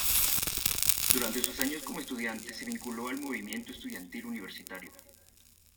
Durante sus años como estudiante se vinculó al movimiento estudiantil universitario.